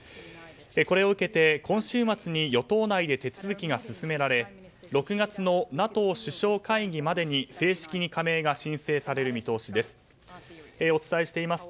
これを受けて今週末に与党内で手続きが進められ６月のＮＡＴＯ首相会議までに正式に加盟が申請される見通しです。